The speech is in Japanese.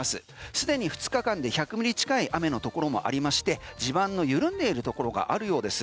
既に２日間で１００ミリ近い雨のところもありまして地盤の緩んでいるところがあるようです。